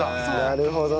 なるほどね。